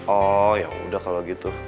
oh ya udah kalau gitu